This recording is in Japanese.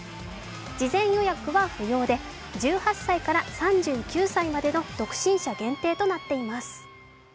事前予約は不要で、１８歳から３９歳までの独身者限定となっています。